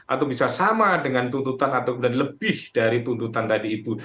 atau bisa sama dengan tuntutan atau kemudian lebih dari tuntutan tadi itu